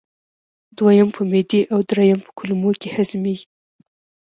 دویم په معدې او دریم په کولمو کې هضمېږي.